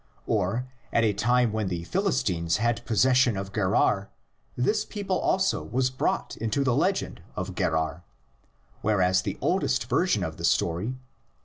Or, at a time when the Philis tines had possession of Gerar this people also was brought into the legend of Gerar, whereas the oldest version of the story (xxi.